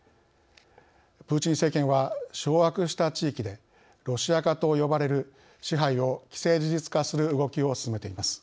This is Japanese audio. プーチン政権は掌握した地域で「ロシア化」と呼ばれる支配を既成事実化する動きを進めています。